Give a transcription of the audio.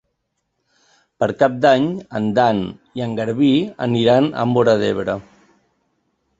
Per Cap d'Any en Dan i en Garbí aniran a Móra d'Ebre.